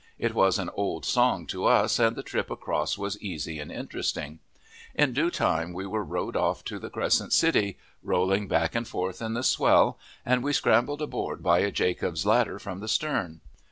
It was an old song to us, and the trip across was easy and interesting. In due time we were rowed off to the Crescent City, rolling back and forth in the swell, and we scrambled aboard by a "Jacob's ladder" from the stern.